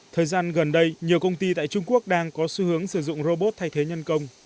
thời gian gần đây nhiều công ty tại trung quốc đang có xu hướng sử dụng robot thay thế nhân công